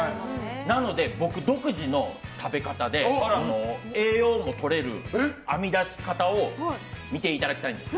なので僕独自の食べ方で栄養もとれる編み出し方を見ていただきたいんです。